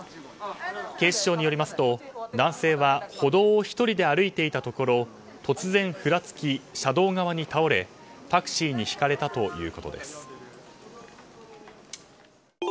警視庁によりますと男性は、歩道を１人で歩いていたところ、突然ふらつき車道側に倒れ、タクシーにひかれたということです。